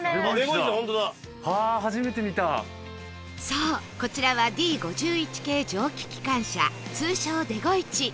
そうこちらは Ｄ５１ 形蒸気機関車通称デゴイチ